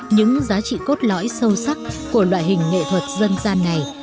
những giá trị cốt lõi sâu sắc của loại hình nghệ thuật dân gian này